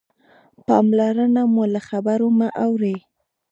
پاملرنه مو له خبرو مه اړوئ.